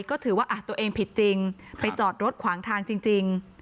ก็ถือว่าตัวเองผิดจริงไปจอดรถขวางทางจริง